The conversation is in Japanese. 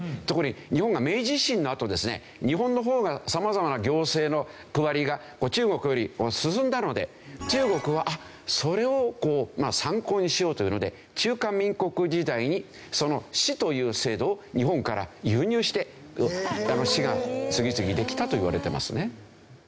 日本が明治維新のあとですね日本の方が様々な行政の区割りが中国より進んだので中国はそれを参考にしようというので中華民国時代にその「市」という制度を日本から輸入して市が次々できたといわれてますね。